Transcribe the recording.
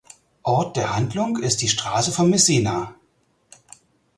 Ort der Handlung ist die Straße von Messina.